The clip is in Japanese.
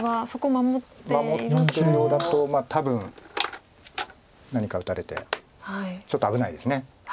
守ってるようだと多分何か打たれてちょっと危ないです。